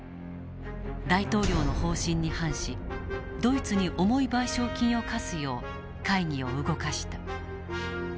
大統領の方針に反しドイツに重い賠償金を課すよう会議を動かした。